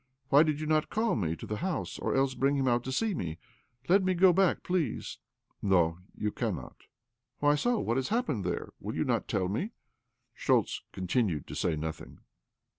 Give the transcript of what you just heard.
Why did you not call me to the house, or else bring him out to see me? Let me go back, please." " No, you cannot." " Why so ? What has happened there ? Will you not tell me ?" Schtoltz continued to say nothing.